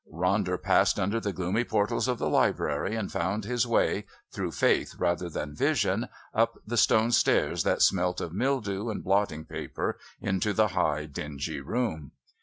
Ronder passed under the gloomy portals of the Library and found his way, through faith rather than vision, up the stone stairs that smelt of mildew and blotting paper, into the high dingy room.